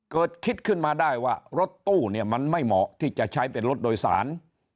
คิดขึ้นมาได้ว่ารถตู้เนี่ยมันไม่เหมาะที่จะใช้เป็นรถโดยสาร